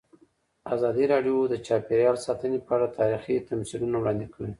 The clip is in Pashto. ازادي راډیو د چاپیریال ساتنه په اړه تاریخي تمثیلونه وړاندې کړي.